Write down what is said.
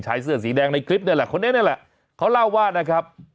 เสื้อสีแดงในคลิปนี่แหละคนนี้นั่นแหละเขาเล่าว่านะครับ